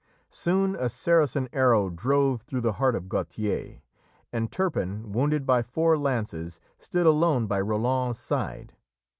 Soon a Saracen arrow drove through the heart of Gautier, and Turpin, wounded by four lances, stood alone by Roland's side.